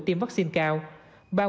tiêm vaccine cao